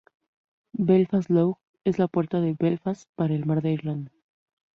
Belfast Lough es la puerta de Belfast para el Mar de Irlanda.